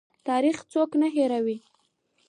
تاریخ څوک نه هیروي